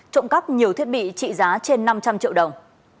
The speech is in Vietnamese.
trộm cắp nhiều thiết bị trị giá trên năm trăm linh triệu đồng